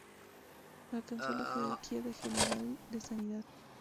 Alcanzó la jerarquía de General de Sanidad.